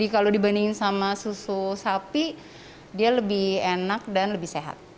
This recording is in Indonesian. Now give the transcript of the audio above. kalau dibandingin sama susu sapi dia lebih enak dan lebih sehat